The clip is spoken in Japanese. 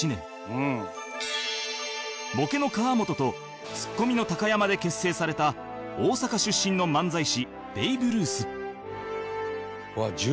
ボケの河本とツッコミの高山で結成された大阪出身の漫才師ベイブルース